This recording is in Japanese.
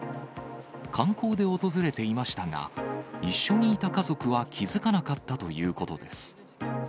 観光で訪れていましたが、一緒にいた家族は気付かなかったということです。